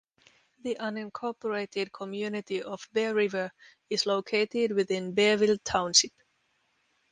The unincorporated community of Bear River is located within Bearville Township.